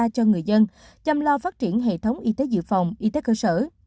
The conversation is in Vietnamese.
cho người dân chăm lo phát triển hệ thống y tế dự phòng y tế cơ sở